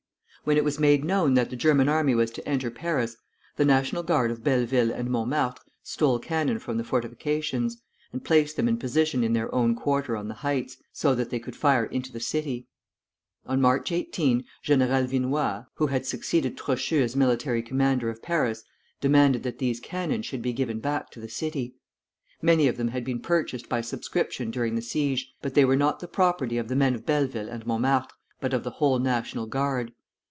When it was made known that the German army was to enter Paris, the National Guard of Belleville and Montmartre stole cannon from the fortifications, and placed them in position in their own quarter on the heights, so that they could fire into the city. On March 18 General Vinoy, who had succeeded Trochu as military commander of Paris, demanded that these cannon should be given back to the city. Many of them had been purchased by subscription during the siege, but they were not the property of the men of Belleville and Montmartre, but of the whole National Guard.